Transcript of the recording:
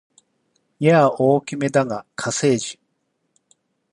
やや大きめだが火星人